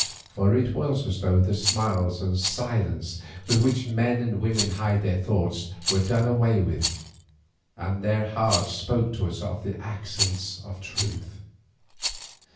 For it was as though the smiles and silence with which men and women hide their thoughts were done away, and their hearts spoke to us in the accents of truth.